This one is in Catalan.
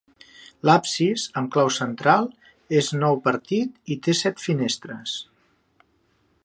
L'absis, amb clau central, és nou partit i té set finestres.